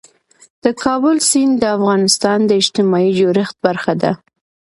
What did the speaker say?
د کابل سیند د افغانستان د اجتماعي جوړښت برخه ده.